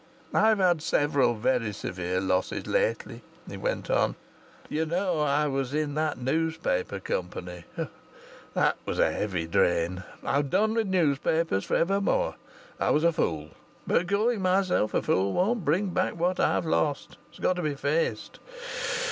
"I've had several very severe losses lately," he went on. "You know I was in that newspaper company; that was a heavy drain; I've done with newspapers for ever more. I was a fool, but calling myself a fool won't bring back what I've lost. It's got to be faced.